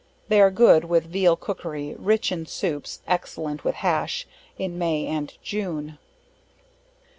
They are good with veal cookery, rich in soups, excellent with hash, in May and June.